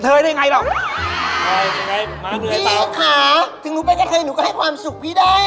ถึงหนูเป็นแก่เทยนู่ก็ให้ความสุขพี่ได้